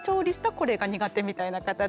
これが苦手みたいな形で。